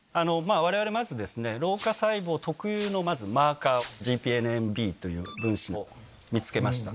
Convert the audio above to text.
われわれ、まず、老化細胞特有の、まず、マーカー、ＧＰＮＭＢという分子、見つけました。